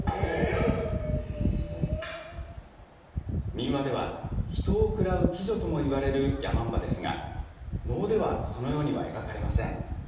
民話では人を食らう鬼女ともいわれる山姥ですが能ではそのようには描かれません。